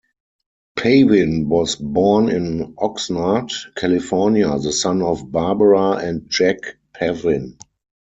Pavin was born in Oxnard, California, the son of Barbara and Jack Pavin.